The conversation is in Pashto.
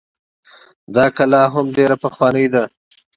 دا کلا هم ډيره پخوانۍ ده